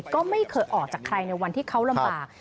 ก็ไม่เคยออกจากใครในวันที่เขาลำบาก